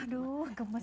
aduh gemes banget